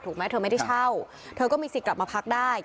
เธอไม่ได้เช่าเธอก็มีสิทธิ์กลับมาพักได้